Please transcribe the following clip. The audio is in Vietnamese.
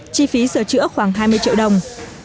chi phí sửa chữa khoảng hai mươi triệu đồng